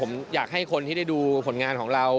ผมอยากให้คนที่ได้ดูผลงานของเรา